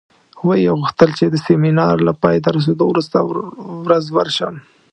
ویې غوښتل چې د سیمینار له پای ته رسېدو وروسته ورځ ورشم.